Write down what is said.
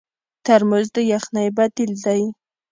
ترموز د یخنۍ بدیل دی.